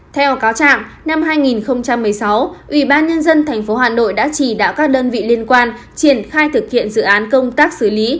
theo cáo trạng năm hai nghìn một mươi sáu ủy ban nhân dân tp hà nội đã chỉ đạo các đơn vị liên quan triển khai thực hiện dự án công tác xử lý